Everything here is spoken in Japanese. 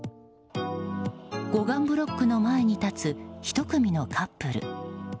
護岸ブロックの前に立つ１組のカップル。